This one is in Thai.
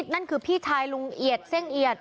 นั่นคือพี่ชายลุงเอียดเสี้ยงเอียด